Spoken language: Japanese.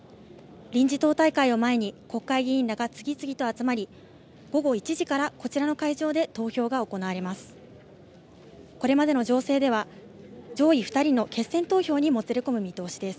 臨時党大会を前に国会議員らが次々と集まり午後１時からこちらの会場で投票が行われます。